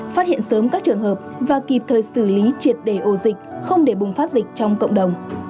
phát hiện sớm các trường hợp và kịp thời xử lý triệt đề ổ dịch không để bùng phát dịch trong cộng đồng